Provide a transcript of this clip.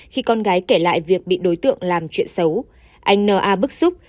khi con gái kể lại việc bị đối tượng làm chuyện xấu anh n a bức xúc